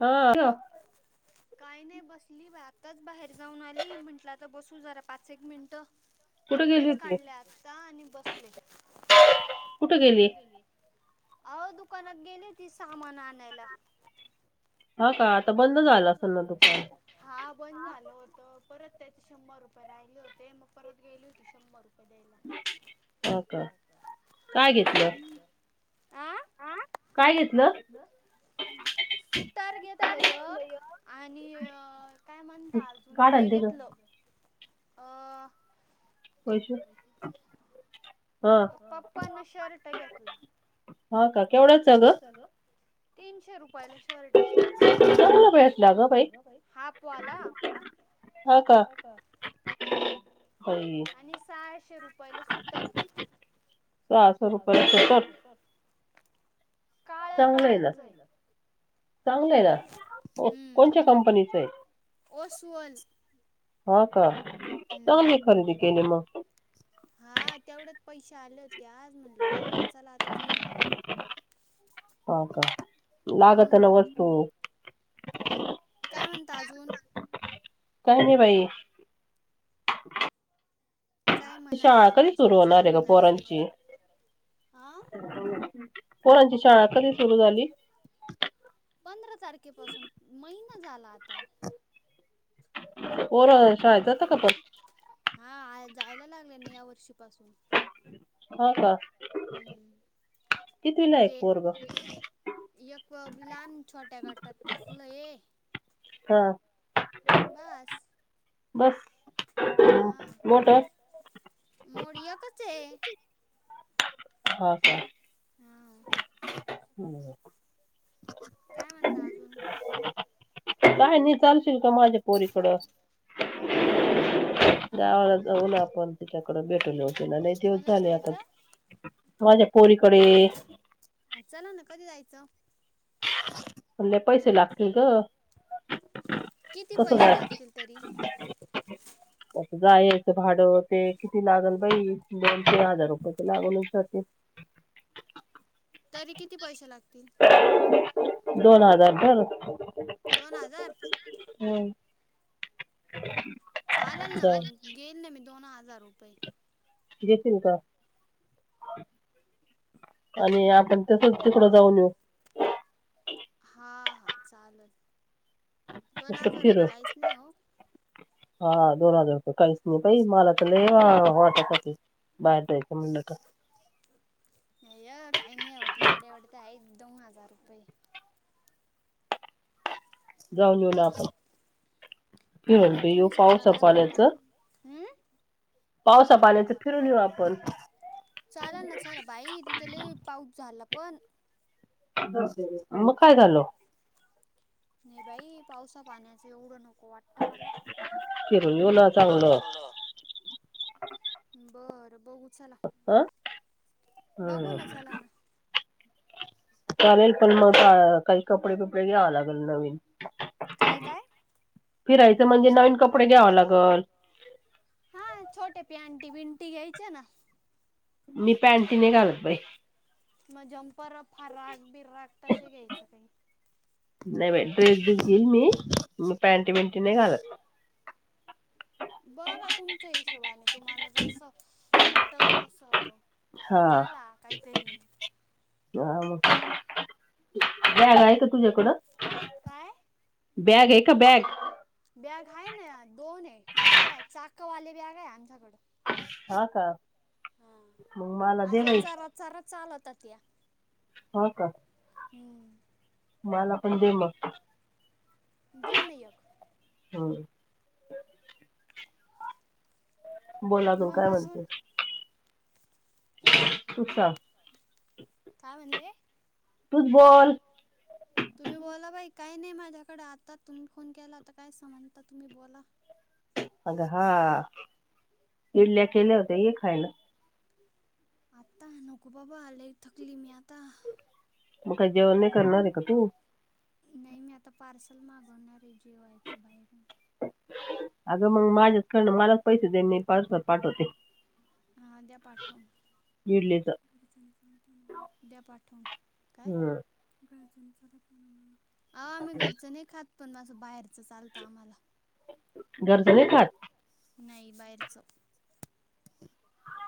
हा [unintelligible] हो [inaudible] काही नाही बसली आताच बाहेर जाऊन आली म्हंटलं तर बसू जरा पाच एक मिनट कुठे गेली कपडेच होती काढले आत्ता आणि बसले कुठे गेली अव दुकानात गेली ती सामान आणायला हो का आता बंद झालं असंल ना दुकान हा बंद झालं होत परत त्याच शंभर रुपये राहिले होते मग परत गेली होती शंभर रुपये हा का काय घेतलं हा काय घेतलं सुटार घेतलं एक आणि काय म्हणत अजून काढ हे आणते ग घेतलं- अ वैशू- पप्पांना शर्ट घेतला हा का केवढंच गं तीनशे रुपयाला शर्ट चांगला भेटला ग बाई हा अप्पू आला हा का बाई आणि सहाशे रुपयाला सुटर सहाशे रुपये ला रुपयाला शूटर- सुटर. काळ्या चांगलं आहे ना कलरच चांगलं आहे ना कोणच्या्या कंपनीचं आहे ओसवाल हा का चांगलं खरेदी केली मग हा तेवढेच पैसे आले होते आज म्हटलं जाऊ द्या चला आता घेऊन टाकू हो का लागत हम्म ना वस्तू काय म्हणत अजून काय नाही बाई काही म्हणा ना शाळा ओ कधी असे सुरू कसे होणार आहे ग शांत बसता. पोरांची आ पोरांची शाळा कधी सुरू झाली पंधरा तारखेपासून महिना झाला आता पोरं शाळेत जाता का पण हा जायला लागले ना या वर्षीपासून हो का हम्म, कितवीला आहे ते पोरग एक लाहान छोट्या गटात टाकल ए हा, बस बस हा [unintelligible] मोड एकचये. हो काय. हमम. [inaudible] काय म्हणता आजून काय नाही चालशील का माझ्या पोरीकड कुठं गावाला जाऊना आपण त्याच्याकड भेटू येऊ तिला लई दिवस कोणाला झाले आता, जायचं माझ्या पोरीकडे हा चला ना कधी जायचं? लई पैसे लागतील गं किती पैसे लागतील तरी? त्याचं जायचं भाडं ते किती लागल बाई दोन तीन हजार रुपय तर लागूनच जाते. तरी किती पैसे लागतील दोन हजार भर दोन हजार हमम चालल ना मंग घेईना मी दोन हजार रुपये घेशीन का? आणि आपण तसच तिकडं जाऊन येऊ. हा हा चालल‌. फ [unintelligible] नाही हो हा दोन हजार रुपये काहीच नाही बाई मला ट बाहेर जायच म्हणलं का. नाही य काही नाही होती एवढे एवढे ते आहे दोन हजार रुपये. जाऊन येऊ ना आपण क काय नाही म्हणते येऊ तुम्ही सांगा काय पाऊसापाण्याचं. हम्म पाण्याचं फिरून येऊ आपण चालल ना चालल बाई तीथे लई पाऊस झाला पण. मग काय झालं नाही बाई पावसा पाण्याचं एवढं नको वाट मला फिरून येऊ फिर ना येवल चांगलं बर बहघु चला. हं बघू हं. ना चला ना. चालेल पण मग काही कपडे बिपडे घ्यावं लागेल नवीन काय काय फिरायचं म्हणजे नवीन कपडे घ्याव लागल. हा छोटे पॅंटी बींटी घ्यायचा ना. मी पॅंटी नाही घालत बाई. मग झंपर फराक बिराक तशे घ्यायचं काही. नाही बा ड्रेस बीस घेईल मी मी प्यांटी बिंटी नाही घालत. बघां तुमच्या हिशोबाने तुम्हाला जस पटल तस. हा पण आला काहीतरी ह मग बॅक आहे का तुझ्याकडं? काय? बॅग हे का बॅग? बॅग हाय ना, दोन ये मोठ्या हाय चाकवाले बॅग आहे आमच्याकडं. हा का, मग मला अशा देना एक. चरा चरा चालत्या त्या. हो का. हम्म मला पण दे मग. देन एक हां. बोल अजून काय म्हणते? [inaudible] तुच सांग काय म्हणले? तुच बोल. बन [unintelligible] तुम्ही बोला बाई काय नाही माझ्याकडं, आता तुम्ही फोन केला त कायसा म्हणता तुम्ही बोला. अगं हा, इडल्या केल्या होत्या ऐ खायला. आत्ता नको बाबा, लई थकली मी आता. मग काय, जेवण नाही करणार आहे का तू? नाही मी आता पार्सल मागवणार ये, जेवायचं बाहेरून अगं मंग माझ्याचं कडन, मलाच पैसे दे मी पार्सल पाठवते. - हा द्या पाठवून. इडलीच द्या पाठवून काय? हम्म घरच्यांच [unintelligible] आम्ही घरचे नाही खात पण असं बाहेर सस चालतं आम्हांला, घरचं नाही खात नाही बाहेरच.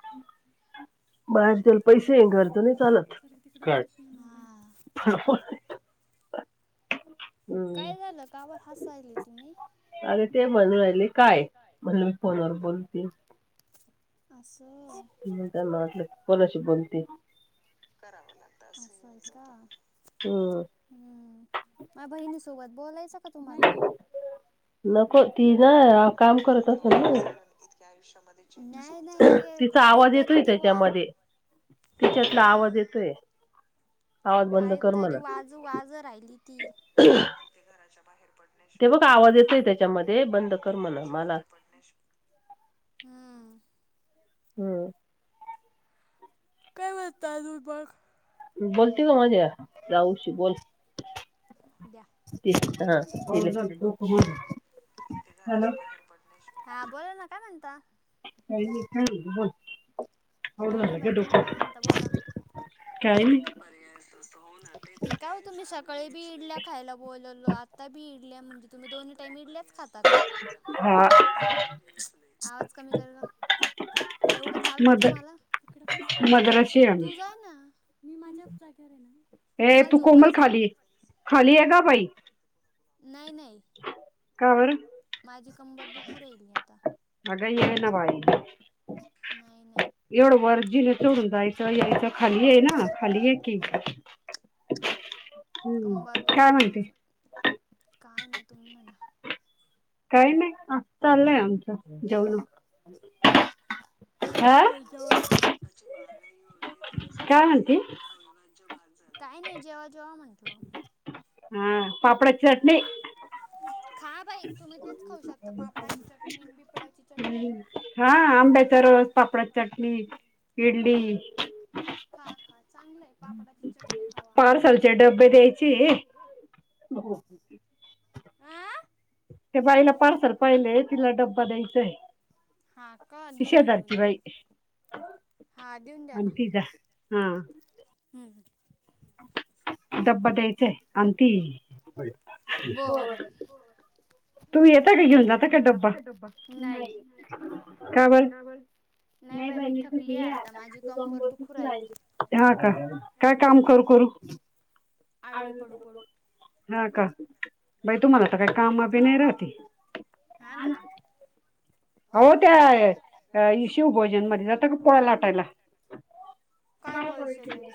[unintelligible] पैसे घरच नाही चालत. सारखं तिकडे काय? उचलत नाही मोबाईल हा [unintelligible] 'काय झालं, का बरं हसायले तुम्ही? अग ते म्हणून राहिले काय? म्हणले फोनवर बोलते. - असं. म त्यांना वाटल कोणाशी बोलते. करावं लागत, असं आहे का. हमम. हम्म माझ्या बहिणी सोबत बोलायचं, का तुम्हाला? नाही नाही. नको, तिन अ काम करत असलं ना ती नाही होऊन नाही जातात ते त्याचा आवाज काहीतरी येतोय ते वा त्याच्यामधे त्याच्यातला आवाज येतोय. आवाज बंद कर कायतरी म्हणा वाज वाज राहिली ती, ते घराच्या बाहेर पण ते बघा आवाज येतोय त्याच्यामधे बंद कर म्हणा, मला हमम. हमम. काय बोलता तुम्ही मग बोलते का माझ्या जाऊशी बोल द्या. [unintelligible] हॅलो हा बोला ना काय म्हणता. [unintelligible] बोल काय आवडून नाही झालं का बाई, तुम्ही डोकं? काय म्हणता बोला. काही नाही काय ओ तुम्ही सकाळी बी इडल्या खायला बोलवलात. आता बी इडल्या म्हणजे तुम्ही दोनी टाईम इडल्याचं खात खाता का, हा आवाज कमी कर गं एवढं चालतत? मद तुम्हाला तिकडं बैस ना पण मद्राशी आहे आम्ही तू जाईना मी माझ्याचं जागेवर आहेना ऐ तू कोमल खाली ये, खाली येगं बाई नाही, नाही- का बरं? माझी कंबर दुखू राहिली आता- अगं ये ना बाळ इकडे नाही. नाही एवढं वर जिने चडून जायचं यायचं खाली आहे, ना खाली ये की. हम्म कंबर काय दुखती आहे म्हणते माझी, काय नाही तुम्ही म्हणा. काही नाही, आ चाललंय आमचं जेवणं आवरलं जेवणं, बघणा आताची महागाई वगैरे त्यांनी सुद्धा काय ते म्हणते एक अविभाज्य भाग- काय नाही, जेवा-जेवा म्हटल. हम्म पापडाची चटणी- खा बाई तुम्ही तेच खाऊ शकता, पापडाची चटणी बिपड्याची चटणी. हां आंब्याचा रस, पापडाची चटणी, इडली. खा खा चांगलं आहे, पापडाची चटणी खावा. पार्सलचे डबे द्यायचे आहे हे. [unintelligible] आ ते बाईला पार्सल पाहिलेय तिला ड्बा द्यायचाय. हा का देऊन या देऊन शेजारची या बाई. हा देऊन अमंतचा हा. हम् हम्म- डब्बा द्यायचं आहे, आंती- बरं तू येता का घेऊन जाता का डब्बा नाही, का बरं? नाही बाई मी थकली आहे आता [unintelligible] हा का. काय काम करू करू [inaudible] आळवी पडू पडू हां का. बाई तुम्हाला आता काही काम बी नाही राहतील. हा ना हो त्या शिवभोजन मध्ये जात का पोळा्या लाटायला. काय पैसे देल.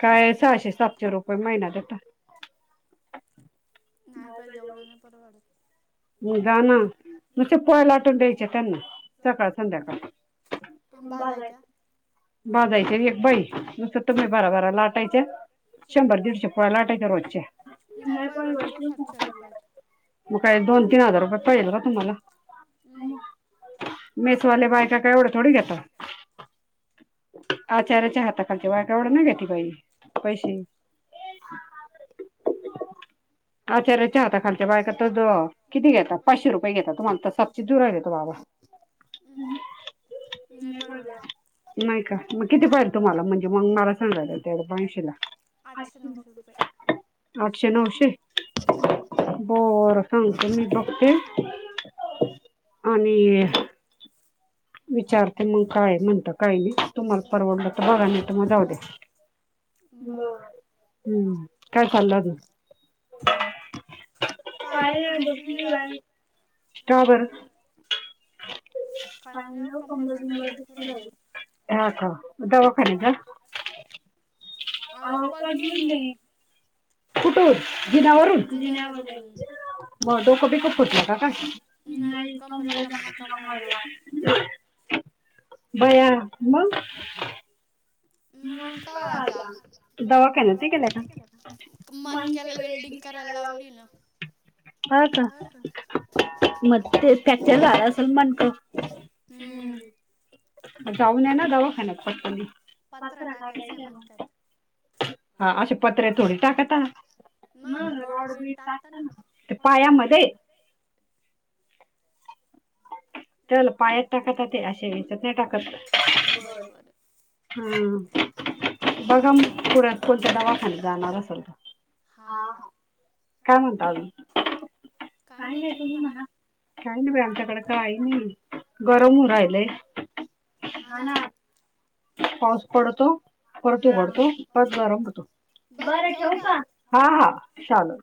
काय सहाशे-सातशे रुपये महिना्याला. नाही मला बाई पण ऐवढं नाही जाऊन परवडत. जा ना तिच्या नुसते पोळ्या पोराला टाकून लाटून द्यायचे त्यांनी त्यांना सकाळ संध्याकाळ. बाजाराच्या. बाजायचे एक बाई दुसर तुम्ही भरा-भरा लाटायचे. शंभर-दीडशे लाटायच रोजचे. तो सातशे रुपय. द तीन हजार रुपये पडेल का तुम्हाला. मग मेसवाले बायका काय ऐवढ थोडी घेता. आचार्याच्या हाता खालचे बा एवढ ना घेती बाई पैसे. अचार्याच्या हाता खालच्या बायक तच किती घेतात पाचशे रुपये घेतात तुम्हाला तर सातसे दुर घेतो बाबा. उहुं, नाही परवडत. नाही का, मग किती पाहिजे तुम्हाला म्हणजे मग मला सांगायला तेवढ बऐंशी ला. आठशे-नऊशे रुपये. आठशे-नऊशे हम्म बरं सांग मी बघते आणि विचारते मग, काय म्हणत. काय नाही. तुम्हाला परवडलं तर बघा. नाही त मग जाऊ द्या. बरं. बर हम्म, काय चाललं, अजून? काही नाही, पाय बसलीय दुखली बाई. का बर अंग खाण्यावर [unintelligible] कंबर बिंबर दुखू दुखतीय राहिली लई. हा, का? दवा खाली का? अहो पडली मी [inaudible] कुठून? जिण्यावरून? जिन्यावरून. म डोकं- बिक फुटला का काय? नाही. कमरेचा मणका मोडला [unintelligible] [inaudible] बया, मंग? मग काय आता? दवाखान्यात. नाही गेल्या का? दवाखान्यात. [unintelligible] मणक्याला वेल्डिंग करायला लावली ना. हा, का? मग ते फॅक्चर झाला असेल, मनका? हं. हम्म जाऊन याना दवाखान्यात. फटकणी. पत्रा टाकायचाय, म्हणत्यात. हा, अशे पत्रे थोडी टाकता, हा. मग [unintelligible] रॉड बीड टाकता असत ना. पायामध्ये. तल पायात टाकत ते. असे येचत नाही टाकत. बरं बर. बरं हम्, बघा म पुरात कोण त दवाखान्यात जाणार असाल त. हा, हा. काय म्हणता, अजून? काय नाही तुम्ही मना. काय नाही बाई, आमच्याकड काय नाही. गरम होऊन राहिलय. हा, ना. पाऊस पडतो. परत हा उघडतो. परत गरम होतो. बर, ठेवू का? हा, हा. चालल.